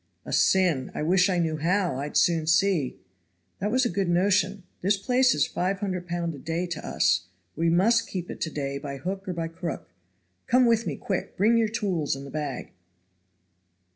"A sin! I wish I knew how, I'd soon see. That was a good notion. This place is five hundred pound a day to us. We must keep it to day by hook or by crook. Come with me, quick. Bring your tools and the bag."